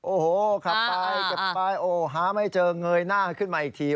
โอ้โหขับไปเก็บไปโอ้โหหาไม่เจอเงยหน้าขึ้นมาอีกที